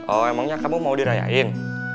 oh emangnya kamu mau dirayain